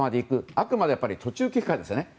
あくまで途中経過ですよね。